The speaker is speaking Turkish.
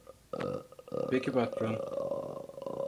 Peki patron.